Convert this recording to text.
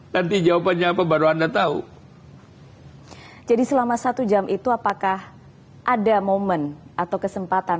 nanti jawabannya apa baru anda tahu jadi selama satu jam itu apakah ada momen atau kesempatan